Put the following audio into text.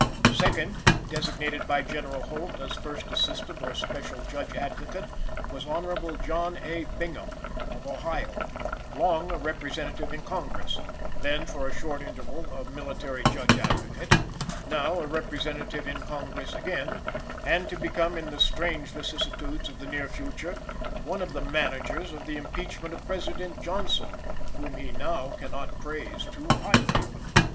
Second, designated by General Holt as First Assistant or Special Judge Advocate, was Hon. John A. Bingham, of Ohio long a Representative in Congress, then for a short interval a Military Judge Advocate, now a Representative in Congress again, and to become in the strange vicissitudes of the near future, one of the managers of the impeachment of President Johnson, whom he now cannot praise too highly.